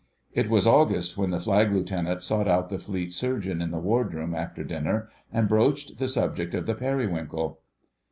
It was August when the Flag Lieutenant sought out the Fleet Surgeon in the Wardroom after dinner, and broached the subject of the Periwinkle.